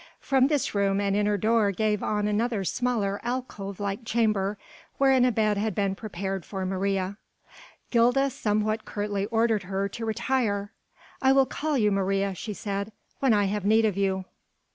From this room an inner door gave on another smaller alcove like chamber, wherein a bed had been prepared for Maria. Gilda somewhat curtly ordered her to retire. "I will call you, Maria," she said, "when I have need of you."